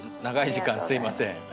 長い時間すいません。